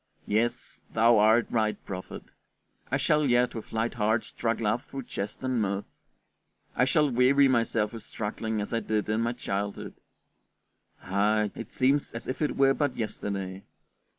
Yes, thou art right, prophet: I shall yet with light heart struggle up through jest and mirth; I shall weary myself with struggling as I did in my childhood (ah, it seems as if it were but yesterday!)